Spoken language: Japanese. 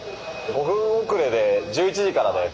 ５分遅れで１１時からです。